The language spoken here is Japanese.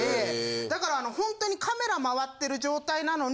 だからほんとにカメラ回ってる状態なのに。